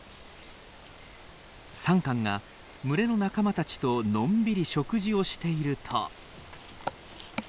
サンカンが群れの仲間たちとのんびり食事をしていると。